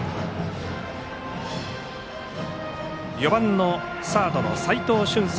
４番サードの齋藤舜介。